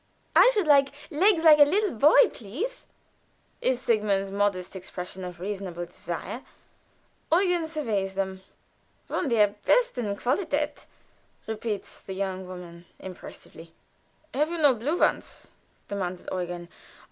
"I should like legs like a little boy, please," is Sigmund's modest expression of a reasonable desire. Eugen surveys them. "Von der besten Qualität," repeats the young woman, impressively. "Have you no blue ones?" demands Eugen.